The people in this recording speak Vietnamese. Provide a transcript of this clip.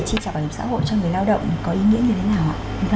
chi trả bảo hiểm xã hội cho người lao động có ý nghĩa như thế nào ạ